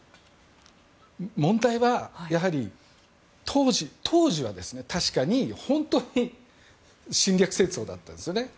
問題は当時は確かに、本当に侵略戦争だったんですよね。